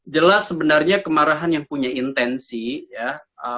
jelas sebenarnya kemarahan yang punya intensi ya